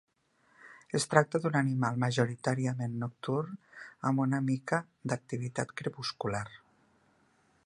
Es tracta d'un animal majoritàriament nocturn amb una mica d'activitat crepuscular.